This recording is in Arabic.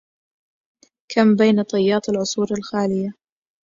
كم بين طيات العصور الخاليه